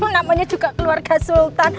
namanya juga keluarga sultan